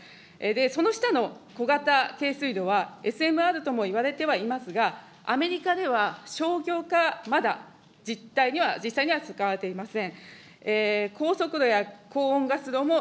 その下の小型軽水炉はＳＭＲとも言われてはいますが、アメリカでは、商業化、まだじったいには、実際には使われていません。